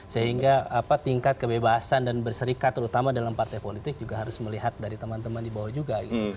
sehingga tingkat kebebasan dan berserikat terutama dalam partai politik juga harus melihat dari teman teman di bawah juga